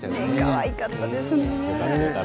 かわいかったですね。